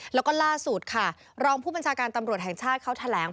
แล้วก็ล่าสุดค่ะรองผู้บัญชาการตำรวจแห่งชาติเขาแถลง